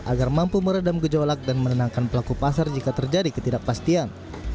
agar mampu meredam gejolak dan menenangkan pelaku pasar jika terjadi ketidakpastian